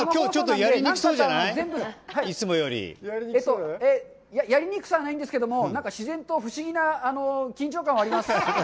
えっと、やりにくさはないんですけど、なんか自然と不思議な緊張感はあります。